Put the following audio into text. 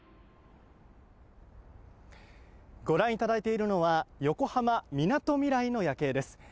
ご覧いただいているのは横浜みなとみらいの夜景です。